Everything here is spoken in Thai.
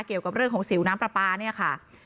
เกี่ยวกับเรื่องของสิวน้ำปลาปลาเนี่ยค่ะ